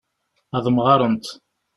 Ad mɣarent.